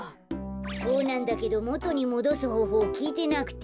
そうなんだけどもとにもどすほうほうをきいてなくて。